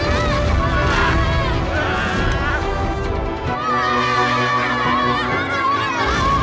selama aniel biasa